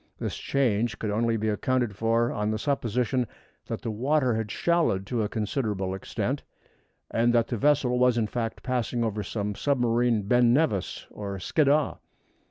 This change could only be accounted for on the supposition that the water had shallowed to a considerable extent, and that the vessel was in fact passing over some submarine Ben Nevis or Skiddaw.